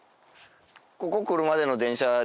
ここ来るまでの電車